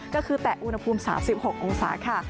ก็คือแต่อุณหภูมิ๓๖องศาค่ะ